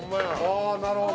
ああーなるほど。